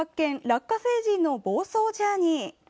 ラッカ星人の房総ジャーニー」。